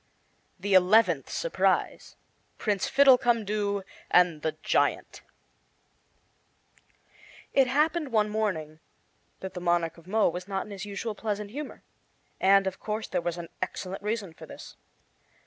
The Eleventh Surprise PRINCE FIDDLECUMDOO AND THE GIANT It happened, one morning, that the Monarch of Mo was not in his usual pleasant humor; and, of course, there was an excellent reason for this.